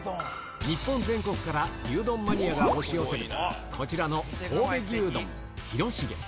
日本全国から牛丼マニアが押し寄せる、こちらの神戸牛丼広重。